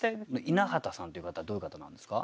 稲畑さんっていう方はどういう方なんですか？